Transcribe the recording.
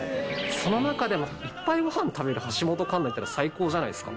その中でもいっぱいご飯食べる橋本環奈いたら最高じゃないですか。